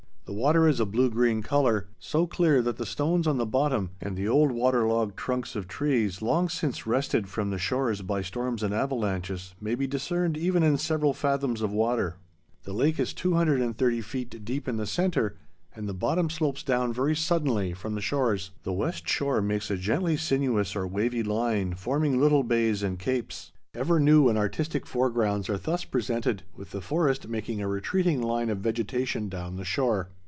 The water is a blue green color, so clear that the stones on the bottom and the old water logged trunks of trees, long since wrested from the shores by storms and avalanches, may be discerned even in several fathoms of water. The lake is 230 feet deep in the centre, and the bottom slopes down very suddenly from the shores. The west shore makes a gently sinuous or wavy line, forming little bays and capes. Ever new and artistic foregrounds are thus presented, with the forest making a retreating line of vegetation down the shore.